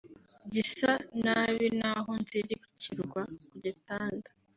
gisa nabi naho nzirikirwa ku gitanda